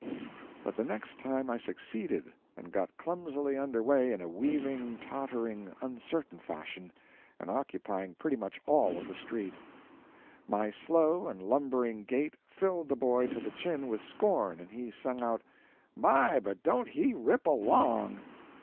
But the next time I succeeded, and got clumsily under way in a weaving, tottering, uncertain fashion, and occupying pretty much all of the street. My slow and lumbering gait filled the boy to the chin with scorn, and he sung out, "My, but don't he rip along!"